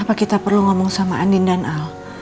apa kita perlu ngomong sama andin dan al